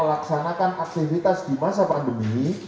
aktivitas di masa pandemi